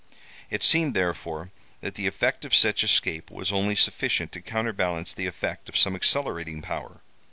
It seemed, therefore, that the effect of such escape was only sufficient to counterbalance the effect of some accelerating power.